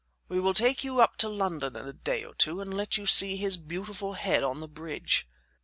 We will take you up to London in a day or two and let you see his beautiful head on the bridge."